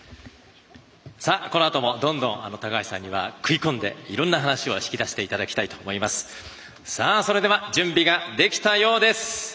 このあともどんどん高橋さんには食い込んでいろんな話を引き出してもらいたいと思います。